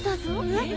えっ！？